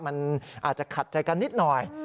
มันอาจจะขัดใจกันนิดหน่อย